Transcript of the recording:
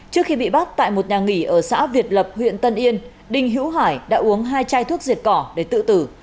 trước khi bị bắt tại một nhà nghỉ ở xã việt lập huyện tân yên đinh hữu hải đã uống hai chai thuốc diệt cỏ để tự tử